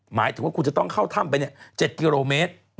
หมายถึงว่าคุณจะต้องเข้าถ้ำไป๗กิโลเมตร